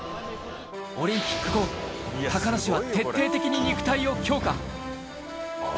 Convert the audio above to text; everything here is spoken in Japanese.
オリンピック後、高梨は徹底的に肉体を強化。